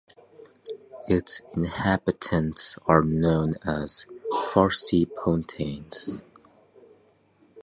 Its inhabitants are known as "Farcy-Pontains".